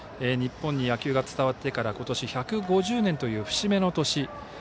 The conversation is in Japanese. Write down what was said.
日本に野球が伝わってから今年で１５０年という節目の年。